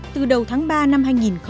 từ đầu tháng ba năm hai nghìn một mươi sáu